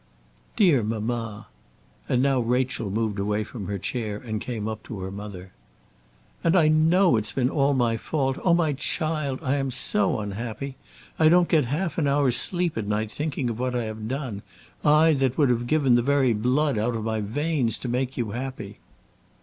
"Dear mamma!" And now Rachel moved away from her chair and came up to her mother. "And I know it's been all my fault. Oh, my child, I am so unhappy! I don't get half an hour's sleep at night thinking of what I have done; I, that would have given the very blood out of my veins to make you happy."